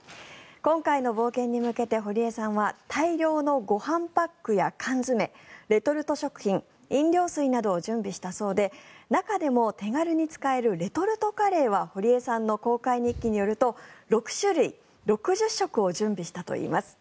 今回の冒険に向けて、堀江さんは大量のご飯パックや缶詰レトルト食品、飲料水などを準備したそうで中でも手軽に使えるレトルトカレーは堀江さんの航海日記によると６種類６０食を準備したといいます。